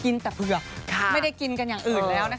กินแต่เผือกไม่ได้กินกันอย่างอื่นแล้วนะคะ